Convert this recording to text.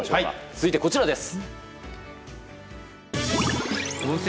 続いて、こちらです。